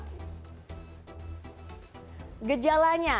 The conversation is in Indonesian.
kemudian kita akan lihat gejalanya